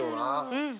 うん。